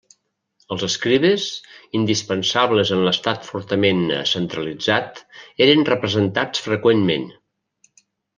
Els escribes, indispensables en l'Estat fortament centralitzat, eren representats freqüentment.